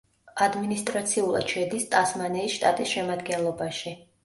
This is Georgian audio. ადმინისტრაციულად შედის ტასმანიის შტატის შემადგენლობაში.